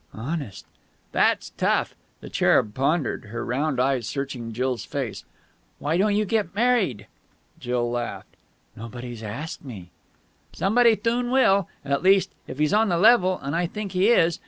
"Honest." "That's tough." The cherub pondered, her round eyes searching Jill's face. "Why don't you get married?" Jill laughed. "Nobody's asked me." "Somebody thoon will. At least, if he's on the level, and I think he is.